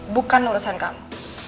bukan urusan kamu